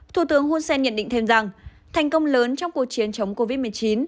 thủ tướng hun sen nhận định thêm rằng thành công lớn trong cuộc chiến chống covid một mươi chín